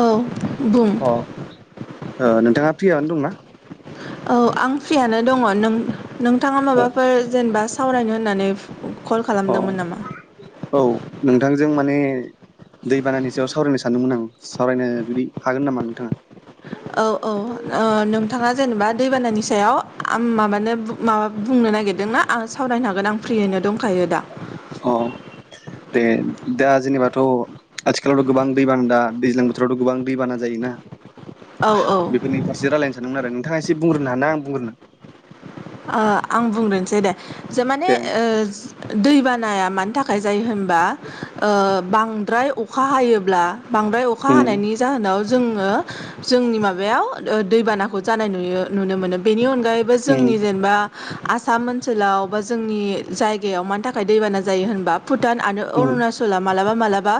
औ बुं फ्रियाव्नो दंना? औ आं फ्रियानो दङ नों-नोंथाङा ओ माबाफोर जेनेबा सावरायनो होननानै कल अ खालामदोंमोन नामा औ नोंथांजों माने दै बानानि सायाव सावरायनो सानदोंमोन आं सावरायनो जुदि हागोन नामा नोंथाङा? औ-औ ओ नोंथाङा जेनेबा दैबानानि सायाव आम माबानो माबा बुंनो नागिरदोंना? आं सावरायनो हागोन आं फ्रियैनो दंखायो दा। अ दे दा जेनेबाथ आथिखालावथ' गोबां दैबाना दा दैज्लां बोथोरावथ' गोबां दैबाना जायो ना औ औ बेफोरनि फारसे रायजलायनो सानदोंमोन आरो नोंथाङा एसे बुंग्रोनो ना आं बुंग्रोनो? ओ आं बुंग्रोनोसै दे जे माने दे ओ दैबानाया मान- थाखाय जायो होनबा ओ बांद्राय अखा हायोब्ला बांद्राय अखा उम हानायनि जाहोनाव जोङो जोंनि माबायाव दैबानाखौ जानाय नयो नुनो मोनो बेनि अनगायै यैबो उम जोंनि जेनेबा आसाम ओनसोलाव बा जोंनि जायगायाव मानि थाखाय दैबाना जायो होनबा भुटान आरो उम अरुणाचला मालाबा मालाबा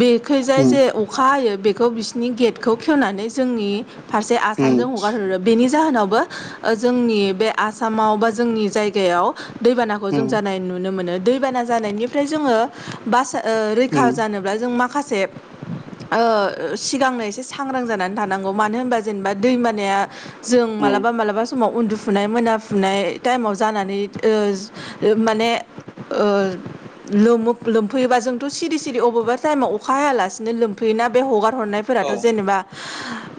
बेखैजाय उम जे अखा हायो खौ बिसोरनि गेटखौ खेवनानै जोंनि फारसे उम आसामजों हगारहरो बेनि जाहोनावबो जोंनि बे आसामाव बा जोंनि जायगायाव दैबानाखौ जों उम जानाय नुनो मोनो। दैबाना जानायनिफ्राय जोङो बासि- ओ रैखा उम जानोब्ला जोङो माखासे ओ ओ सिगांनो एसे सांग्रां जानानै थानांगौ मानो होनबा जेनेबा दैबानाया जों उम मालाबा मालाबा समाव उन्दुफुनाय मोना फुनाय टाइमाव जानानै ओ माने ओ लोमो-लोमफैयोबा जोंथ' सिरि-सिरि अबेबा टाइमाव अखा हायालासिनो लोमफैयोना बे हगार। औ हरनायफोराथ' जेनेबा।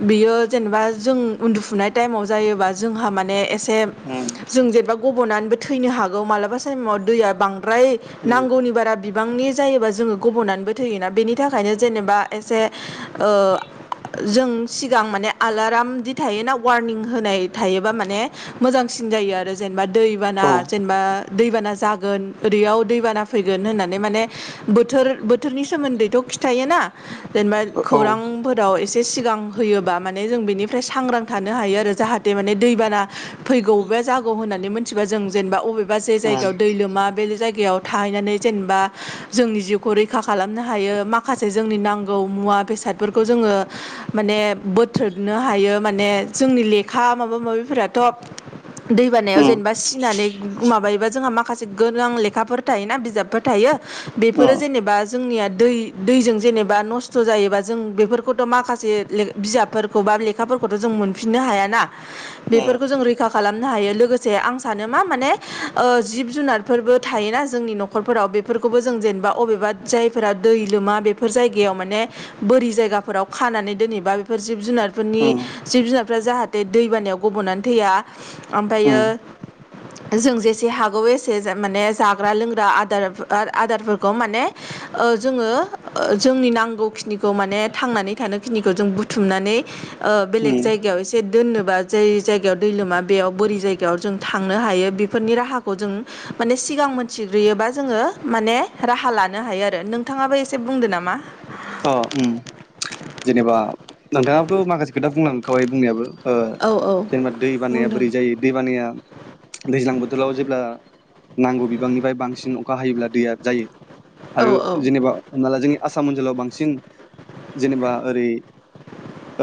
बियो जेनेबा जों उन्दुफुनाय टाइमाव जायोबा जोंहा माने एसे। उम जों जेनेबा गब'नानैबो थैनो हागौ मालाबा साइमाव दैआ बां। ओमफाय उम नांगौनि बारा बि‌। बिबांनि जायोबा जोङो गब'नानैबो थैयोना बेनि थाखायनो जेनेबा एसे ओ। जों सिगां माने आलारामदि थायोना वारनिं होनाय थायोबा माने। मोजांसिन जायो आरो जेनेबा दैबाना औ जेनेबा। दैबाना जागोन ओरैयाव दैबाना फैगोन होननानै माने बोथोर-बोथोरनि सोमोन्दैथ'। फिथायोना जेनेबा उम खौरांफोराव ए। एसे सिगां होयोबा माने जों बेनिफ्राय सांग्रां थानो हायो आरो जाहाते माने दैबाना। फैगौ बे जागौ होननानै मोनथिबा जों जेनेबा अबेबा जे उम जायगायाव दै लोमा बे जायगा। याव थाहैनानै जेनेबा जोंनि जिउखौ रैखा खालामनो हायो माखासे जोंनि नांगौ मुवा। बेसाद फोरखौ जोङों माने बोथ्रोदनो हायो माने जोंनि लेखा माबा-माबि फोरा। थ'ब दै बानायाव उम जेनेबा सिनानै [unintelligible] माबायो। जोंहा माखासे गोनां लेखाफोर थायोना बिजाबफोर थायो बेफोरो उम जेनेबा। जोंनिया दै-दैजों जेनेबा नस्त' जायोबा जों बेफोरखौथ' माखासे ले बिजाबफोरखौबा। लेखाफोरखौथ' जों मोनफिननो हायाना। ओम। बेफोरखौ जों रैखा खालाम। नो हायो लोगोसे आं सानो मा-माने ओ जिब-जुनारफोरबो थायोना जोंनि न'खरफोराव बेफोर। खौबो जों जेन'बा अबेबा जायफोरा दै लोमा बेफोर जायगायाव माने बोरि जायगाफोराव खा। नानै दोनहैबा बेफोर जिब-जुनारफोरनि उम जिब-जुनारफ्रा जाहाते दैबानायाव गब'नानै थैया। उम ओमफायो। जों जेसे हागौ एसे माने जा-जाग्रा-लोंग्रा आदारफो-आदारफोरखौ माने। ओ जोङो ओ जोंनि नांगौखिनिखौ माने थांनानै थानोखिनिखौ जों बुथुमनानै। ओ बेलेग उम जायगायाव एसे दोननोबा जै। जायगायाव दै लोमा बेयाव बोरि जायगायाव जों थांनो हायो बेफोरनि राहाखौ जों माने सिगां मोनथि। दंग्रोयोबा जोङो माने राहा लानो हायो आरो नोंथाङाबो एसे बुंदो नामा। अ! उम जेनेबा नोंथाङाबोथ' माखासे खोथा बुंलांखाबाय बुंनायाबो। ओ औ औ जेनेबा दै बानाया बुंदों बोरै जायो दै बानाया। दैज्लां बोथोराव जेब्ला नांगौ बिबांनिफ्राय बांसिन अखा हायोब्ला दैया जायो। औ आरो औ जेनेबा हमना ला जोंनि आसाम ओनसोलाव बांसिन। जेनेबा ओरै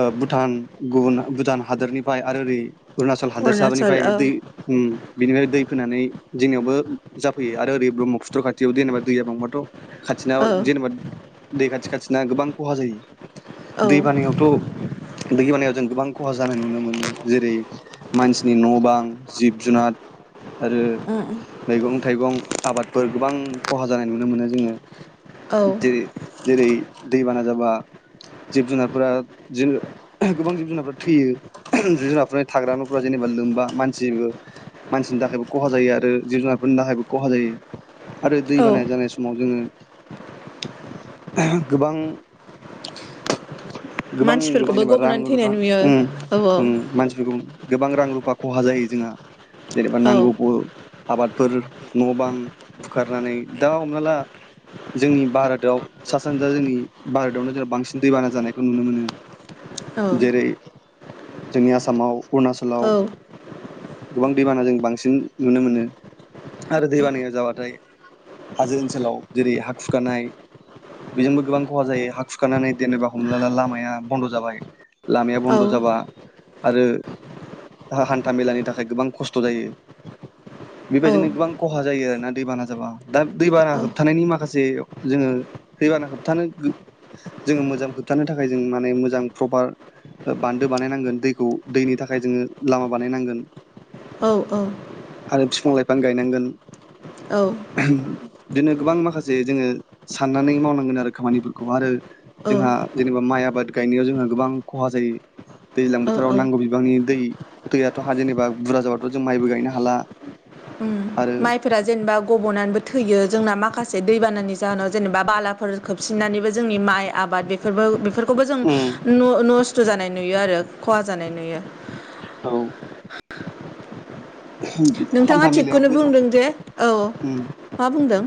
ओ भुटान गुबन भुटान। हादोरनिफ्राय आरो ओरै अरुणाचल अरुणाचल हादोरसानिफ्राय औ दै उम बिनिफ्राय दै फैनानै। जोंनियावबो जाफैयो आरो ओरै ब्रह्मफुत्र खाथियावबो देनोबा दैया बांबाथ'। औ खाथिनाव जेनेबा दै खाथि-खाथिना गोबां खहा जायो। औ दै बानायावथ'-दै बानाया जों गोबां ख। खहा जानाय नुनो मोनो जेरै-मानसिनि न'-बां, जिब-जुनार। आरो मैगं-थाइगं आबादफोर गोबां खहा जानाय नुनो मोनो जोङो। जेरै-जेरै दैबाना जाबा। जिब-जुनारफोरा जो गोबां जिब-जुनारफोरा थैयो। जिब-जुनारफोरनि थाग्रा न'फोरा जेनेबा लोमबा मानसिबो-मानसिनि थाखायबो खहा जायो आरो जिब-जुनारफोर। खायबो खहा जायो। आरो दै औ बाना औ जानाय समाव जोङो गोबां। गोबां मानसिफोरखौबो जेनेबा गब'नानै थैनाय रां-रुफा नुयो औ उम-उम मानसिनिखौ। गोबां रां-रुफा खहा जायो जोंहा जेनेबा औ नांगौ बो। आबादफोर न'-बां बुखारनानै दा हमना ला। जोंनि भारताव सा-सानजा जोंनि भारतावनो जोङो बांसिन दैबाना जानायखौ नुनो मोनो। औ जेरै-जोंनि आसामाव औ अरुणाचलाव। गोबां दैबाना जों बांसिन नुनो मोनो आरो दै बानायाव जाबाथाय हाजो ओनसोलाव जेरै हा खुरखानाय बेजोंबो गोबां खहा जायो हा खुखानानै जेननोबा हम लामाया बन्द' जाबाय लामाया औ बन्द' जाबा आरो हान्था मेलानि थाखाय गोबां खस्थ' जायो औ बेबायदिनो गोबां खस खहा जायो आरोना दैबाना जाबा दा दैबाना होबथानायनि माखासे जोङो दैबाना होबथानो जोंङो मोजां खोबथानो थाखाय जों माने मोजां प्रपार बान्दो बानायनांगोन दैखौ दैनि थाखाय जोङो लामा बानायनांगोन। औ आरो बिफां लाइफां गायनांगोन। औ बिदिनो गोबां माखासे जोङो साननानै मावनांगोन आरो खामानिफोरखौ आरो औ जोंहा जेनेबा माइ आबाद गायनायाव जोंहा गोबां खहा जायो। दैज्लां औ बोथोराव औ नांगौ बिबांनि दै दैयाथ‌जेनेबा बुरजा जाबाथ'जों माइबो गायनो हाला ओम आरो माइफोरा जेनेबा गब'नानैबो थैयो जोंना माखासे दैबानानि जाहोनाव जेनेबा बालाफोर खोबसिननानैबो जोंनि माइ आबाद बेफोरबो बेफोर बे खौबो जों उम नस्थ जानाय नुयो आरो खहा जानाय नुयो। औ नोंथाङा हान्था थिगखौनो मेलायावबो बुंदों जे औ मा बुंदों।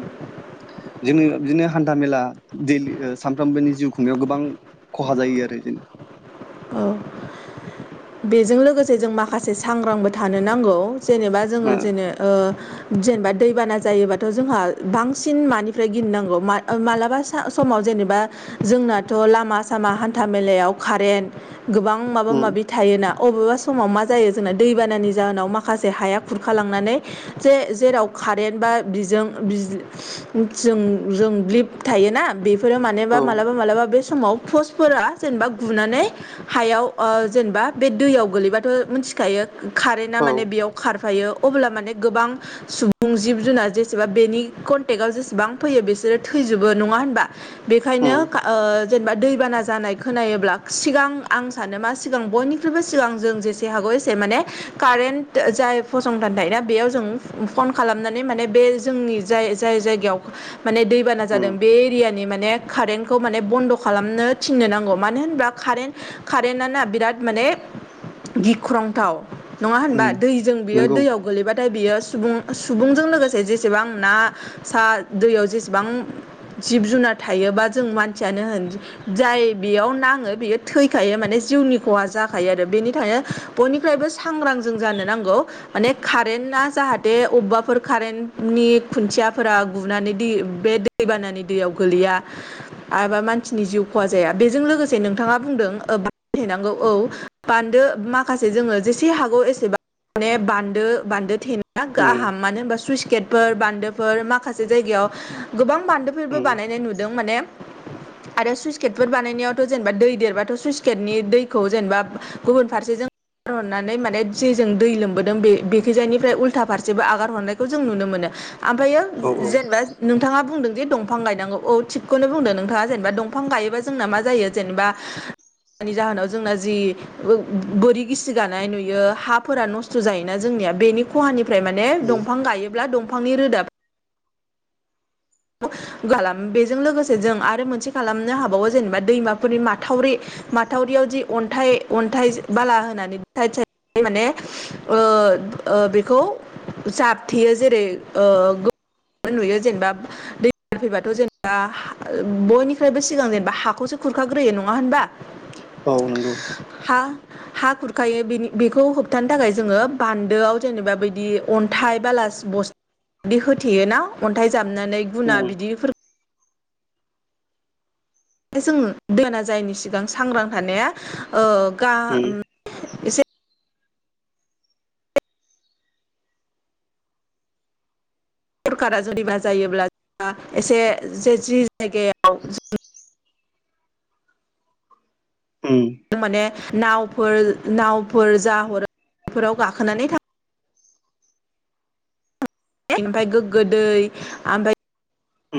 जोङो बिदिनो हान्था मेला दैलि सानफ्रोमबोनि जिउ खुंनायाव गोबां खहा जायो आरो औ बेजों लोगोसे जों माखासे सांग्रांबो थानो नांगौ जेनेबा जोंङो जेने ओ जेनेबा दैबाना जायोबाथ जोंहा बांसिन मानिफ्राय गिनांगौ मालाबा समाव जेनेबा जोंनाथ लामा सामा हान्था मेलायाव कारेन्ट गोबां माबा जों माबि अबेबा समाव मा जायो जोंना दैबानानि जाहोनाव माखासे हाया खुरखा लांनानै जे जेराव कारेन्ट बा बिजों जों ब्लिब थायोना बे फोरो मानोबा ओ मालाबा मालाबा बे समाव पस्फोरा जेनेबा गुनानै हायाव ओ जेनेबा बे दैयाव गोगलैबाथ' मिथिखायो कारेन्टा उम औ माने बेयाव खारफायो अब्ला माने गोबां सुबुं जिब जुनार जेसेबा बेनि कनटेक्टआव जेसेबां फैयो बिसोरो थै थैजोबो नङा होनबा बेखायनो उम ओ जेनेबा दैबाना जानाय खोनायो्ला सिगां आं सानो मा सिगां बयनिख्रुइबो सिगां जों जेसे हागौ एसे माने कारेन्ट जाय फसंथान थायोन बेयाव जों फन खालामनानै माने बे जोंनि जाय जाय जायगायाव माने दैबाना उम जादों बे एरियानि मान माने कारेन्टखौ माने बद्न खालामनो थिन‌नो नांगौ मानो होनोब्ला कारेन्ट कारेन्ट आना बिराद माने गिख्रंथाव नंङा उम होनबा दैजों बियो नंगौ दैयाव गोलैबाथाय बियो। सुबुं सुबुंजों लोगोसे जेसेबां ना सा दैयाव जेसेबां जिब जुनार थायोबा जों मानसियानो जाय बेयाव नाङो बेयो थैखायो माने जिउनि खहा जाखायो आरो बेनि थाखायनो बयनिफ्रायबो सांग्रां जों जानो नांगौ माने कारेन्ट आ जाहाथे अबेबाफोर कारेन्टनि खुन्थियाफोरा गुनानै दै बे दैबानानि दैयाव गोलैआ एबा मानसिनि जिउ खहा जाया बेजों लोगोसे नोंथाङा बुंदों बहैनांगौ औ बान्दो माखासे जोङो जेसे हागौ एसेबां माने बान्दो बान्दो थे नाया‌ उम गाहाम मानो होनबा सुइस गेटफोर बान्दोफोर माखासे जायगायाव गोबां बान्दोफोरबो उम बानायनाय नुदों माने आरो सुइस गेटफोर बानायनायावथ जेनेबा दै देरबाथ सुइस गेटनि दै खौ जेनेबा गुबुन फारसे जों आगार हरनानै माने जेजों दै लोमबोदों बे बेखिजायानिफ्राय उल्था फारसेबो आगार हरनायखौ जों नुनो मोनो ओमफ्रायो औ औ जेनेबा नोंथाङा बुंदों। दंफां गायनांगौ औ थिगखौनो बुंदों नोंथाङा जेनेबा दंफां गायोबा जोंना मा जायो जेनेबा निनि जाहोनाव जोंना जि बोरि गिसि गानाय नुयो हाफोरा नस्थ' जायोना जोंनिया बेनि खहानि ओमफ्राय माने उम दंफां गायोब्ला दंफांनि रोदा खालाम बेजों लोगोसे जों आरो मोनसे खालामनो हाबावो जेनेबा दैमाफोरनि माथावरि माथावरियाव जि अन्थाइ अन्थाइ बाला होनानै साइद साइद माने ओ ओ बेखौ जाबथेयो जेरै ओ नुयो जेनेबा दै फैबाथ' जेनेबा बयनिफ्रायबो सिगां जेनेबा हाखौसो खुरखाग्रोयो नङा होनबा? औ नंगौ। हा हा खुरखायो बेनि बेखौ होबथानो थाखाय जोङो बान्दोआव जेनेबा बिदि अन्थाइ बाला बस्थ बिदि होथेयोना अन्थाइ जामनानै उम गुना बिदिफोर जों दोना जायनि सिगां सांग्रां थानाया ओ उम गाम एसे सरखारा जुदिबा जायोब्ला एसे जे जि जायगायाव माने नावफोर नावफोर जा हरो बेफोराव गाखोनानै थां ओमफ्राय गोगो दै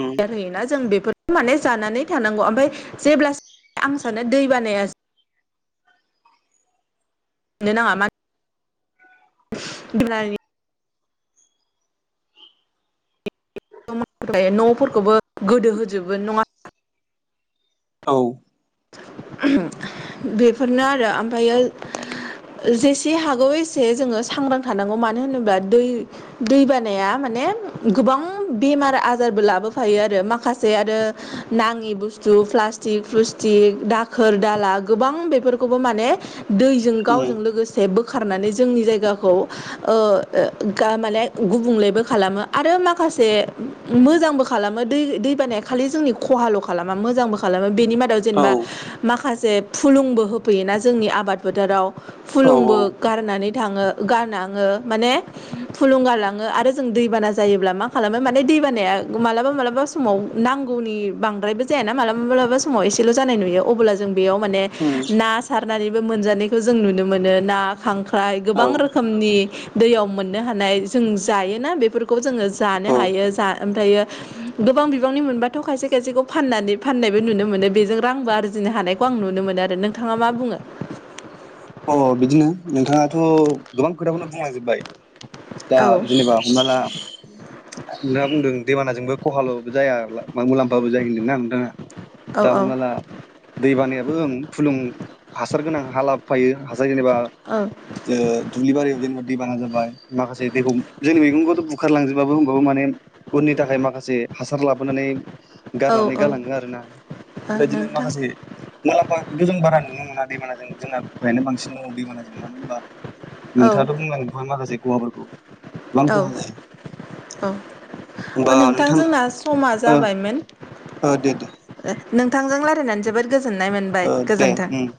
उम होयोना जों बे फोर माने जानानै थानांगौ ओमफ्राय जेब्ला आं सानो दै बानाया मोननो नाङा मानो [unintelligible] [unintelligible] न'फोरखौबो गोदो होजोबो नङा औ। बेफोरनो आरो ओमफ्रायो जेसे हागौ एसे जोङो सांग्रां थानांगौ मानो होनोब्ला दै दै बानाया माने गोबां बेमार आजारबो लाबोफायो आरो माखासे आरो नाङि बुस्थु प्लासटिक फुसटि दाखोर दाला गोबां बेफोरखौबो माने दैजों उम गावजों लोगोसे बो खारनानै जोंनि जायगाखौ ओ माने गुबुंलेबो खालामो आरो माखा से मोजांबो खालामो दै दैबानाया खालि जोंनि खहाल' खालामा मोजांबो खालामो बेनि मादाव औ जेनेबा माखासे फुलुंबो होफैयोना जोंनि आबाद फोथोराव फुलुंबो औ गारनानै थाङो गारनाङो माने थुलुंगालाङो आरो जों दैबाना जायोब्ला मा खालामो माने दैबानाया मालाबा मालाबा समाव नां गौनि बांद्रायबो जाया ना मालाबा मालाबा समाव ए सेल' जानाय नुयो अब्ला जों बेयाव माने उम ना सारनानैबो मोनजानायखौ जों नुनो मोनो ना खांख्राइ औ गोबां रोखोमनि दैयाव मोननो हानाय जों जायोना बेफोरखौ जोङो जानो औ हायो ओमफ्रायो गोबां बिबांनि मोनबाथ' खायसे खायसेखौ फाननानै फाननायबो नुनो मोनो। बेजों रांबो आरजिनो हानायखौ आं नुनो मोनो आरो नोंथाङा मा बुङो? अ बिदिनो नोंथाङाथ' गोबां खोथाखौनो बुंलांजोबबाय। दा औ जेनबा हमना ला नोंथांङा बुंदों दैबानाजोंबो खहाल' जाया मुलाम्फाबो जायो होनदोंना नोंथाङा औ दा औ हमना ला दै बानायाबो गोहोम फुलुं हासार गोनां हाला फायो हासार जेनेबा दुब्लि बारियाव जेनेबा दैबाना जाबाय माखासे दैखौ जोंनि मैगंखौथ' बुखारलांजोब बाबो माने उननि थाखाय माखासे हासार लाबोनानै औ गारनानै गालाङो आरो ना। ओ बेबायदिनो नोंथां माखासे मुलाम्फाखौथ' जों बारा नुनो मोना दैमाना जों जोंना खहायानो बांसिन दङ दैबानाजों मानो होनोबा औ नोंथाङाथ' बुंनांगौ बेहाय माखासे खहाफोरखौ गोबां खहा जाया औ औ नोंथांजोंना समा जाबायमोन। औ दे दे। नोंथांजों रायल्लायनानै जोबोद गोजोननाय मोनबाय ओ दे गोजोन्थों। उम